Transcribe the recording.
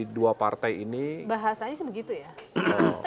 dua partai ini bahasanya sih begitu ya